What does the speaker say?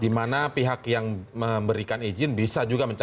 dimana pihak yang memberikan izin bisa juga mencari